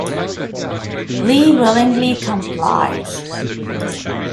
Lee willingly complies.